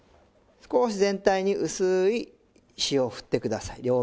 少し全体に薄い塩を振ってください。